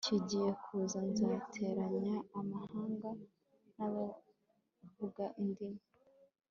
kigiye kuza nzateranya amahanga n abavuga indimi